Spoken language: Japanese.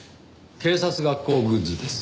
警察学校グッズです。